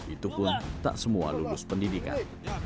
itu pun tak semua lulus pendidikan